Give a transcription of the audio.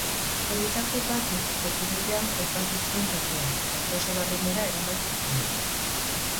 Horietako batek bete-betean kolpatu zuen taldea, eta itsaso barrenera eraman zituen.